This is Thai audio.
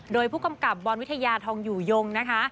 โดยผู้กำกับบอลวิทยาทองอยู่ยงนะคะ